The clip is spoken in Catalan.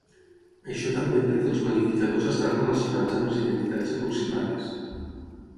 Això també per què els melificadors estan relacionats amb les identitats aproximades.